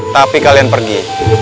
tapi kalian pergi